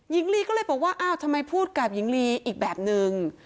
ยิงรีก็เลยบอกว่าทำไมพูดกับยิงรีอีกแบบนึง